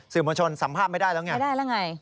สื่อมวลชนสัมภาษณ์ไม่ได้แล้วไงไม่ได้แล้วไง